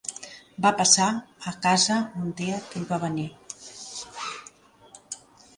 Va passar a casa un dia que ell va venir.